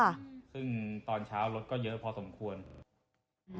ซึ่งตอนเช้ารถก็เยอะพอสมควร